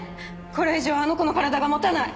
これ以上あの子の体が持たない。